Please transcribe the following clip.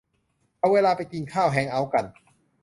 หรือเวลาไปกินข้าว แฮงก์เอาต์กัน